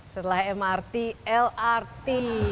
setelah mrt lrt